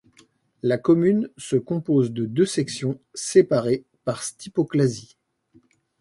La commune se compose de deux sections séparées par Štipoklasy.